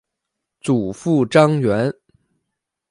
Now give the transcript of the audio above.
祖父张员。